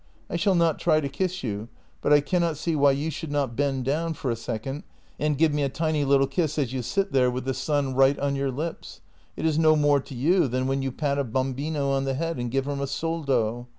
— I shall not try to kiss you, but I cannot see why you should not bend down for a second and give me a tiny little kiss as you sit there with the sun right on your lips. It is no more to you than when you pat a bam bino on the head and give him a soldo.